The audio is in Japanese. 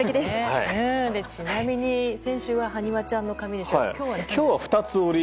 ちなみに先週ははにわちゃんの髪でしたが今日は２つ折り。